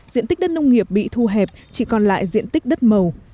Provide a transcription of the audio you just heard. diện tích đất nông nghiệp bị thu hẹp chỉ còn lại diện tích đất màu